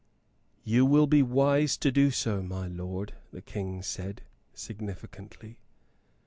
"You will be wise to do so, my lord," the King said, significantly.